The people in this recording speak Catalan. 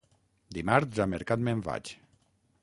Dimarts, a mercat me'n vaig.